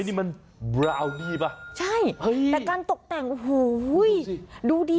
นี่มันบราวนี่ป่ะใช่แต่การตกแต่งโอ้โหดูดีมาก